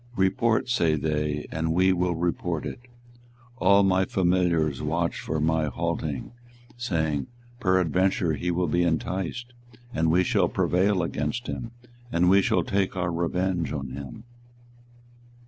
Report, say they, and we will report it. All my familiars watched for my halting, saying, Peradventure he will be enticed, and we shall prevail against him, and we shall take our revenge on him.